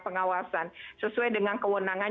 pengawasan sesuai dengan kewenangan